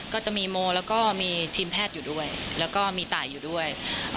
ก็จะมีโมแล้วก็มีทีมแพทย์อยู่ด้วยแล้วก็มีตายอยู่ด้วย